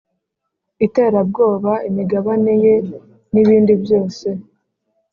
iterabwoba imigabane ye n ibindi byose